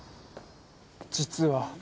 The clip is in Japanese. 実は。